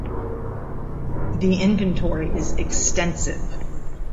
The inventory is extensive.